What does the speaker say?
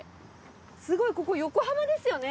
すごいここ横浜ですよね？